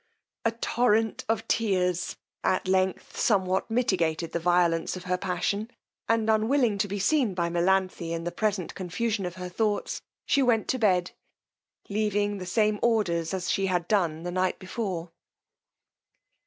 A torrent of tears at length somewhat mitigated the violence of her passion, and unwilling to be seen by Melanthe in the present confusion of her thoughts, she went to bed, leaving the same orders as she had done the night before.